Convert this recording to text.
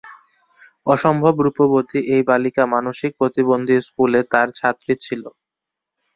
অসম্ভব রূপবতী এই বালিকা মানসিক প্রতিবন্ধী স্কুলে তাঁর ছাত্রী ছিল।